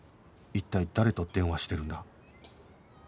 一体誰と電話してるんだ？